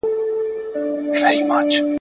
په لوی لاس می ځان کنډول ژوند می تالا کړ ,